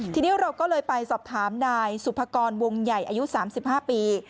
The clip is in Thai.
ทีนี้เราก็เลยไปสอบถามนายสุภกรวงใหญ่อายุ๓๕ปี